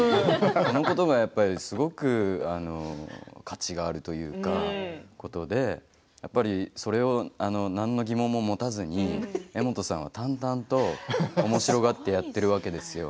このことが、やっぱりすごく価値があることでやっぱり、それをなんの疑問も持たずに柄本さんは淡々とおもしろがってやってるわけですよ。